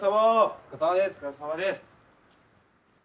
お疲れさまです。